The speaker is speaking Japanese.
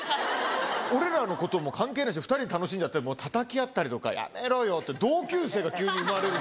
俺らのことも関係ないですよ、２人で楽しんじゃって、もうたたき合ったりとか、やめろよとか、同級生が急に生まれる。